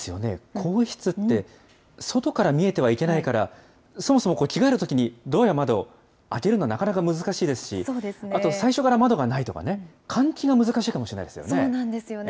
更衣室って、外から見えてはいけないから、そもそも着替えるときに、ドアや窓、開けるのなかなか難しいですし、あと最初から窓がないとかね、換気が難しいかもしれないですよね。